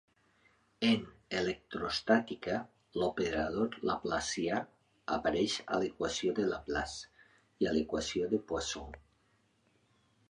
En electroestàtica, l'operador laplacià apareix a l'equació de Laplace i a l'equació de Poisson.